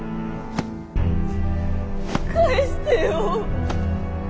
返してよ。